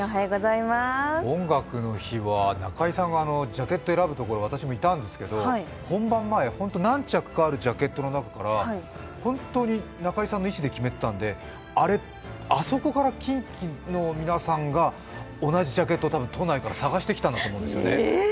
「音楽の日」は中居さんがジャケット選ぶところ私もいたんですけど本番前、ホント、何着かあるジャケットの中からホントに中居さんの意思で決めてたので、あそこからキンキの皆さんが同じジャケットを都内から探してきたんだと思うんですよね。